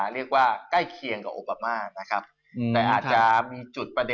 เรียกว่าใกล้เคียงกับโอบามา